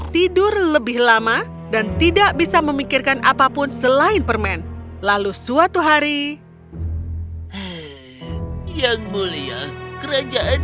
tidur lebih lama dan tidak bisa memikirkan apapun selain permen lalu suatu hari yang mulia kerajaan